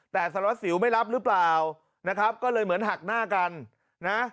แต่สารวัสสิวไม่รับหรือเปล่านะครับก็เลยเหมือนหักหน้ากันนะ